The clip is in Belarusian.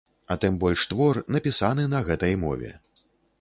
А тым больш твор, напісаны на гэтай мове.